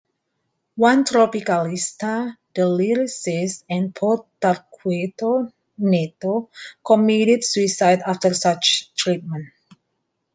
One tropicalista, the lyricist and poet Torquato Neto, committed suicide after such treatment.